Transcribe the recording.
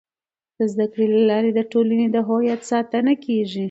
د زده کړې له لارې د ټولنې د هویت ساتنه کيږي.